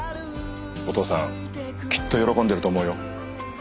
お父さんきっと喜んでると思うよ。